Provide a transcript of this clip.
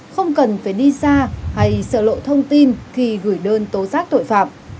không cần phải đi xa hay sợ lộ thông tin khi gửi đơn tố giác tội phạm